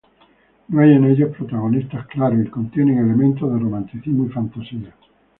No hay en ellos protagonistas claros y contienen elementos de romanticismo y fantasía.